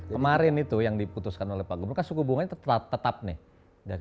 kemarin itu yang diputuskan oleh pak gubernur kan suku bunganya tetap nih